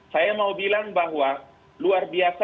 saya mau bilang bahwa luar biasa